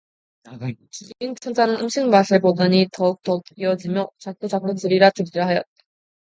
주린 창자는 음식맛을 보더니 더욱더욱 비어지며 자꾸자꾸 들이라 들이라 하였다.